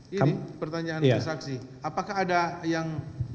gini pertanyaan dari saksi apakah ada yang